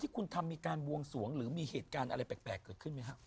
คุณทำมีการบวงสวงหรือมีเหตุการณ์อะไรแปลกเกิดขึ้นไหมครับ